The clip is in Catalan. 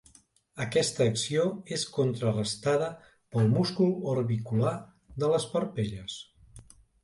Aquesta acció és contrarestada pel múscul orbicular de les parpelles.